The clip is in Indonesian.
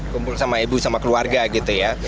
kumpul sama ibu sama keluarga gitu ya